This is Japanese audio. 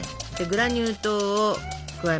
グラニュー糖を加えますよ。